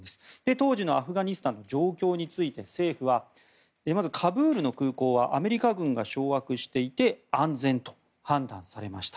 当時のアフガニスタンの状況について政府はまずカブールの空港はアメリカ軍が掌握していて安全と判断されました。